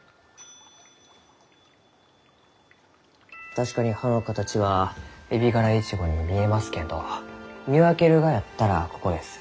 確かに葉の形はエビガライチゴに見えますけんど見分けるがやったらここです。